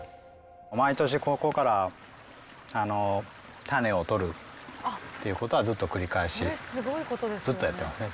毎年ここから種を取るっていうことはずっと繰り返し、ずっとやってますね。